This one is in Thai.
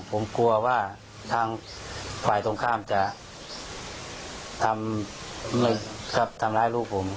ผมกลัวว่าทางฝ่ายตรงข้ามจะทำร้ายลูกผม